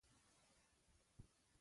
زه د خپل هېواد د بدنامۍ نه کرکه لرم